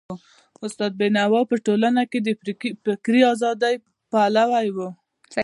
استاد بينوا په ټولنه کي د فکري ازادۍ پلوی و.